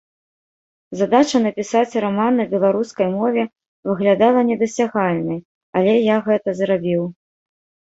Задача напісаць раман на беларускай мове выглядала недасягальнай, але я гэта зрабіў.